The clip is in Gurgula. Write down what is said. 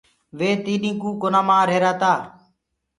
وي تيڏينٚ ڪو ڪونآ مر رهيرآ تآ۔